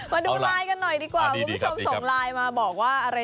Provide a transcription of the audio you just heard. มาดูไลน์กันหน่อยดีกว่าคุณผู้ชมส่งไลน์มาบอกว่าอะไร